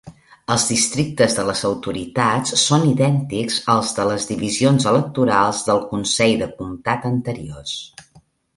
Els districtes de les autoritats són idèntics als de les divisions electorals del consell de comtat anteriors.